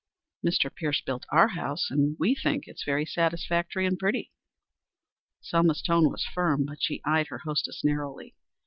"Mr. Pierce built our house, and we think it very satisfactory and pretty." Selma's tone was firm, but she eyed her hostess narrowly.